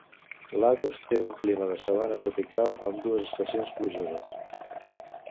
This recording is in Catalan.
Lagos té un clima de sabana tropical amb dues estacions plujoses.